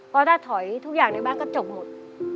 เพราะถ้าถอยทุกอย่างในบ้านก็จบหมด